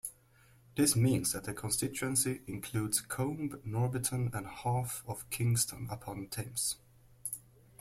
This means that the constituency includes Coombe, Norbiton, and half of Kingston upon Thames.